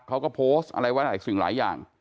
เขาก็โพสต์อะไรไว้หลายสิ่งหลายอย่าง